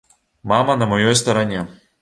Мама на маёй старане.